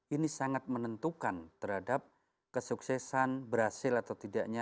ini sangat menentukan terhadap kesuksesan berhasil atau tidaknya